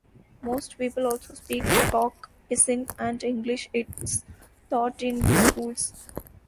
Most people also speak Tok Pisin, and English is taught in the schools.